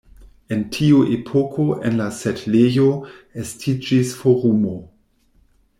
En tiu epoko en la setlejo estiĝis forumo.